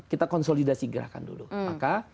kita konsolidasi gerakan dulu maka